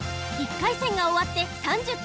１回戦がおわって３０たい０。